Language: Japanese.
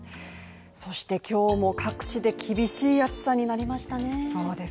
今日も各地で厳しい暑さになりましたね。